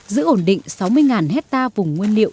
giữ ổn định sáu mươi ha vùng nguyên liệu